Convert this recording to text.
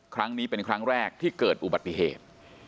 ครั้งนี้เป็นครั้งแรกที่เกิดอุบัติเหตุ